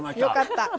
よかった！